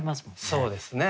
そうですね。